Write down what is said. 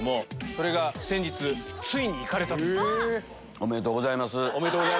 おめでとうございます。